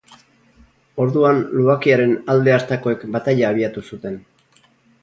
Orduan lubakiaren alde hartakoek bataila abiatu zuten.